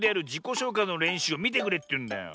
しょうかいのれんしゅうをみてくれっていうんだよ。